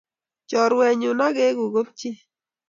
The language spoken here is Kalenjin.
Choruenyu akeku kobchi